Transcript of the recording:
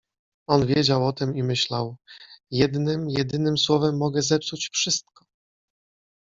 On wiedział o tym i myślał: — Jednym jedynym słowem mogę zepsuć wszystko.